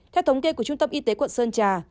theo thống kê của trung tâm y tế quận sơn trà